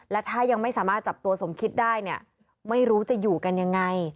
และถ้ายังไม่สามารถจับตัวสมคิดได้เนี่ยไม่รู้จะอยู่กันยังไง